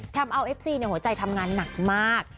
ทำเอาเอฟซีหัวใจทำงานหนักมาก